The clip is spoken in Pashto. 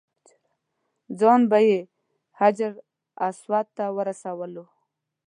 ځان به یې حجر اسود ته ورسولو.